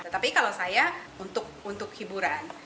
tapi kalau saya untuk hiburan